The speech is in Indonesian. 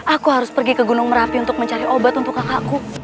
aku harus pergi ke gunung merapi untuk mencari obat untuk kakakku